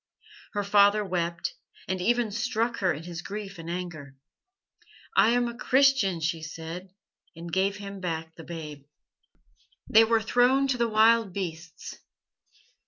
Her father wept, and even struck her in his grief and anger. 'I am a Christian,' she said, and gave him back the babe. "They were thrown to the wild beasts.